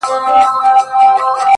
• پکښی ځای سوي دي ,